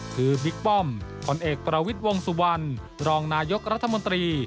คือบิ๊กป้อมผลเอกประวิทย์วงสุวรรณรองนายกรัฐมนตรี